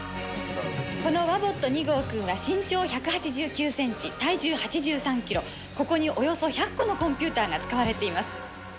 このワボット２号くんは身長１８９センチ、体重８３キロ、ここにおよそ１００個のコンピューターが使われています。